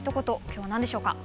今日は何でしょうか？